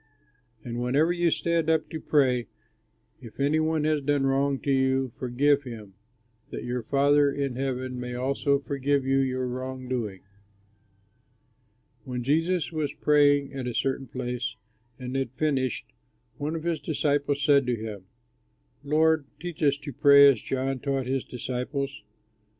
And whenever you stand up to pray, if any one has done wrong to you, forgive him, that your Father in heaven may also forgive you your wrong doing." When Jesus was praying at a certain place and had finished, one of his disciples said to him, "Lord, teach us to pray as John taught his disciples."